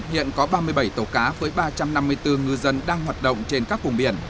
hiện có ba mươi bảy tàu cá với ba trăm năm mươi bốn ngư dân đang hoạt động trên các vùng biển